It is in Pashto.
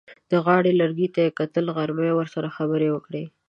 د غاړې لرګي ته یې کتل: غرمه مې ورسره خبرې وکړې.